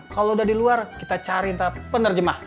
kalau udah di luar kita cari penerjemah